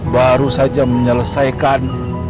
baru saja menyelesaikan